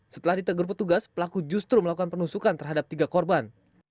setelah ditegur petugas pelaku justru melakukan penusukan terhadap tiga korban